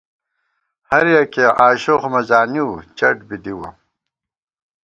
ہریَکِیہ آشوخ مہ زانِؤ چٹ بی دِوَہ